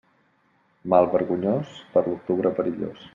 Mal vergonyós, per l'octubre, perillós.